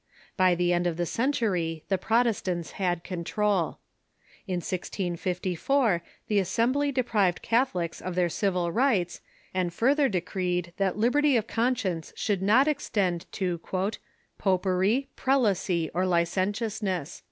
By the end of the century the Protestants had control. In 1654 the Assembly deprived Catholics of their civil rights, and further decreed that liberty of conscience should not extend to " poper} , prel acy, or licentiousness."